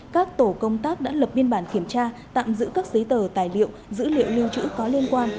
các tổ công tác đã lập biên bản kiểm tra tạm giữ các giấy tờ tài liệu dữ liệu lưu trữ có liên quan